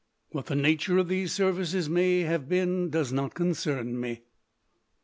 What the nature of these services may have been does not concern me.